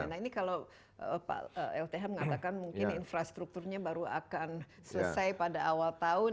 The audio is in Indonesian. nah ini kalau pak lth mengatakan mungkin infrastrukturnya baru akan selesai pada awal tahun